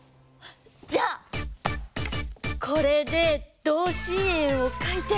じゃあこれで同心円を描いて。